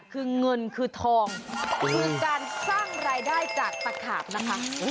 คือเงินคือทองคือการสร้างรายได้จากตะขาบนะคะ